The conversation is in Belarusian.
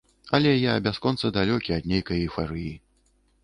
Але я бясконца далёкі ад нейкай эйфарыі.